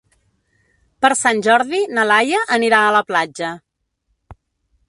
Per Sant Jordi na Laia anirà a la platja.